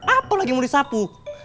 apa lagi mau disapu